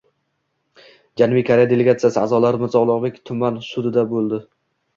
Janubiy Koreya delegatsiyasi a’zolari Mirzo Ulug‘bek tuman sudida bo‘lding